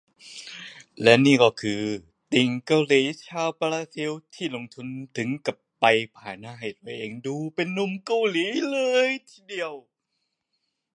ติ่งเกาหลีชาวบราซิล ลงทุนถึงกับไปผ่าหน้าให้ตัวเองดูเป็นหนุ่มเกาหลีเลยทีเดียว